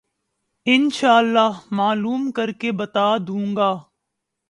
ان شاءاللہ معلوم کر کے بتا دوں گا۔